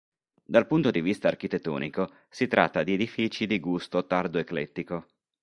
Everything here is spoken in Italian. Dal punto di vista architettonico si tratta di edifici di gusto tardo-eclettico.